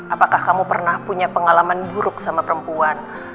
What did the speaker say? apakah kamu pernah punya pengalaman buruk sama perempuan